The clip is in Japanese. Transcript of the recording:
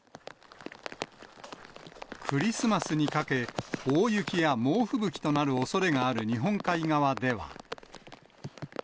クリスマスにかけ、大雪や猛吹雪となるおそれがある日本海側では。